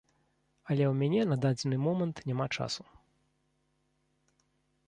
Але ў мяне на дадзены момант няма часу.